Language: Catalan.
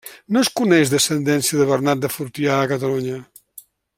No es coneix descendència de Bernat de Fortià a Catalunya.